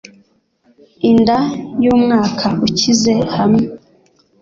Inda yumwaka ukize hamwe